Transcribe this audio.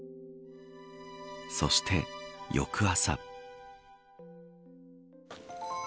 そして翌朝。